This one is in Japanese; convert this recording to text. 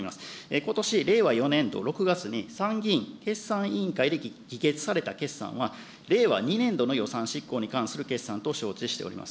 ことし令和４年度６月に参議院決算委員会で議決された決算は令和２年度の予算執行に関する決算と承知しております。